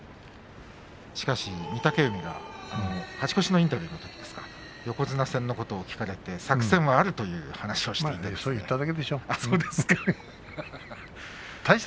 しかし御嶽海が勝ち越しのインタビューのときに横綱戦のことを聞かれて作戦があるという話をしました。